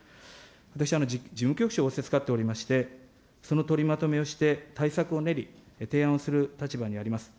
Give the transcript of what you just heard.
私、事務局長を仰せつかっておりまして、その取りまとめをして対策を練り、提案をする立場にあります。